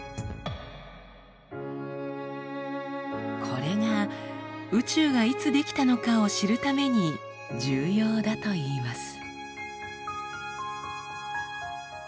これが宇宙がいつ出来たのかを知るために重要だといいます。